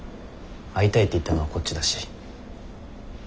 会いたいって言ったのはこっちだし。